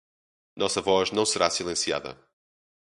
Nossa voz não será silenciada.